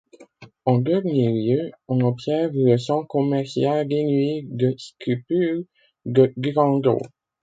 En dernier lieu, on observe le sens commercial dénué de scrupules de Durandeau.